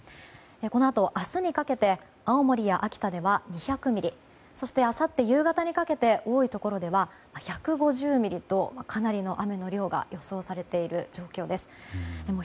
このあと明日にかけて青森や秋田では２００ミリそしてあさって夕方にかけて多いところでは１５０ミリとかなりの雨の量が予想されている状況です。